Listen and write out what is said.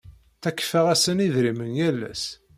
Ttakfeɣ-asen idrimen yal ass.